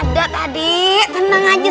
ada tadi tenang aja